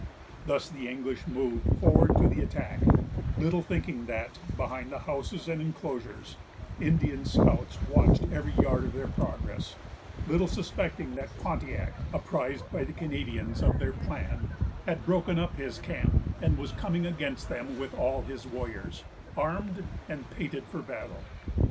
Thus the English moved forward to the attack, little thinking that, behind houses and enclosures, Indian scouts watched every yard of their progress——little suspecting that Pontiac, apprised by the Canadians of their plan, had broken up his camp, and was coming against them with all his warriors, armed and painted for battle.